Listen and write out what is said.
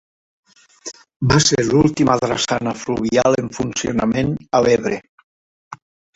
Va ser l'última drassana fluvial en funcionament a l'Ebre.